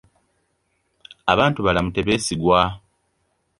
Abantu balamu tebeesigwa.